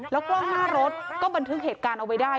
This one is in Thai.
กล้องหน้ารถก็บันทึกเหตุการณ์เอาไว้ได้